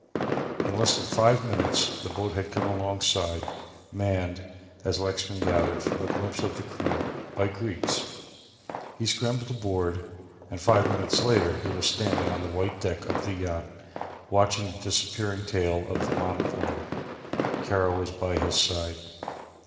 In less than five minutes the boat had come alongside, manned, as Lexman gathered from a glimpse of the crew, by Greeks. He scrambled aboard and five minutes later he was standing on the white deck of the yacht, watching the disappearing tail of the monoplane. Kara was by his side.